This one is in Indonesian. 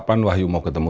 kapan wahyu mau ketemu